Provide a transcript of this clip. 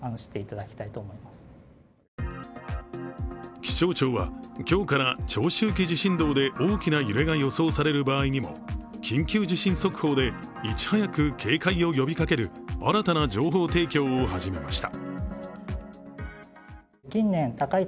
気象庁は、今日から長周期地震動で大きな揺れが予想される場合にも緊急地震速報でいち早く警戒を呼びかける新たな情報提供を始めました。